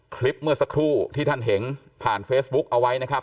คลิปเมื่อสักครู่ที่ท่านเห็นผ่านเฟซบุ๊กเอาไว้นะครับ